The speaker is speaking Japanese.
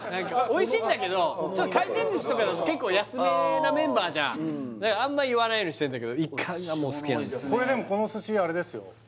おいしいんだけど回転寿司とかだと結構安めなメンバーじゃんだからあんま言わないようにしてるんだけどイカがもう好きなのこれでもこの寿司あれですよ